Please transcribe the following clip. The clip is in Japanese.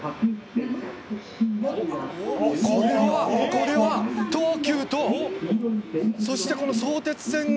「これは東急とそしてこの相鉄線が」